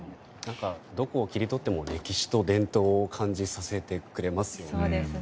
どこを切り取っても歴史と伝統を感じさせてくれますよね。